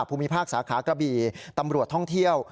ภูมิภาคสาขากระบี่ตำรวจท่องเที่ยว